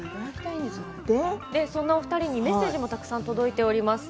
そんなお二人にメッセージもたくさん届いております。